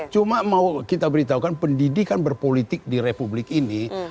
cuma mau kita beritahukan pendidikan berpolitik di republik ini